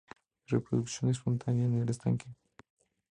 Reproducción espontánea en estanque.